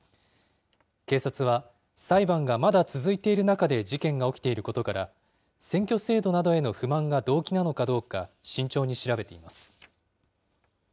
警察は、裁判がまだ続いている中で事件が起きていることから、選挙制度などへの不満が動機なのかどうか慎重に調べています。